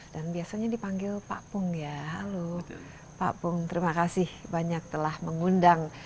dan biasanya dipanggil pak pung ya halo pak pung terima kasih banyak telah mengundang